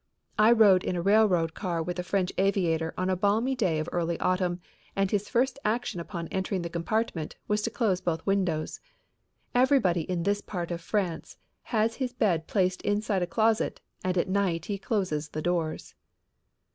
I rode in a railroad car with a French aviator on a balmy day of early autumn and his first act upon entering the compartment was to close both windows. Everybody in this part of France has his bed placed inside a closet and at night he closes the doors.